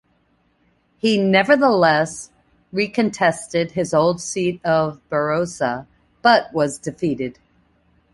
He nevertheless recontested his old seat of Barossa, but was defeated.